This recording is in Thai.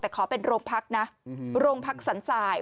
แต่ขอเป็นโรงพักนะโรงพักสันสาย